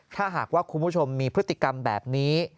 ถ้าหากว่าคุณผู้ชมมีพฤติกรรมแบบนี้